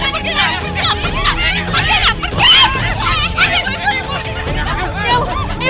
pergi pergi pergi